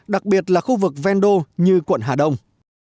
đặc biệt là khu vực vendô như quận hà đông